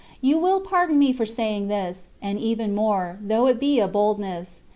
You will pardon me for saying this, and even more, though it be a boldness.